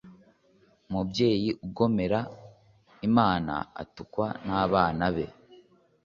Umubyeyi ugomera Imana atukwa n’abana be,